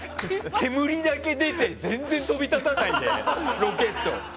煙だけ出て、全然飛び立たないでロケット。